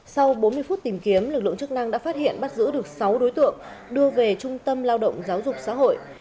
sau bốn mươi phút tìm kiếm lực lượng chức năng đã phát hiện bắt giữ được sáu đối tượng đưa về trung tâm lao động giáo dục xã hội